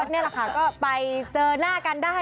นี่แหละค่ะก็ไปเจอหน้ากันได้